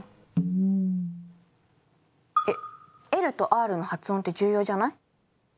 ＬとＲの発音って重要じゃない？